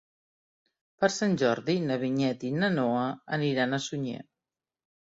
Per Sant Jordi na Vinyet i na Noa aniran a Sunyer.